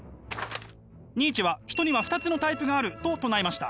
ニーチェは人には２つのタイプがあると唱えました。